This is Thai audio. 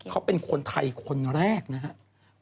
เขาเป็นคนไทยคนแรกนะครับ